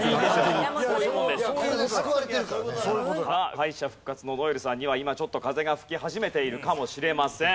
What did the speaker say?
敗者復活の如恵留さんには今ちょっと風が吹き始めているかもしれません。